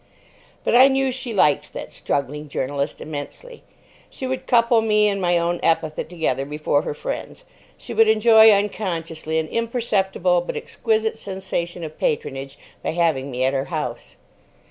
But I knew she liked that "struggling journalist" immensely. She would couple me and my own epithet together before her friends. She would enjoy unconsciously an imperceptible, but exquisite, sensation of patronage by having me at her house.